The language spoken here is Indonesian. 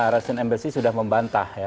residen mbc sudah membantah